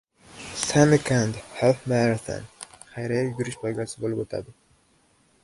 "Samarkand Half Marathon" xayriya yugurish poygasi bo‘lib o‘tadi